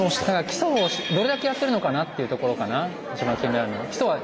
基礎をどれだけやってるのかなっていうところかな一番気になるのは。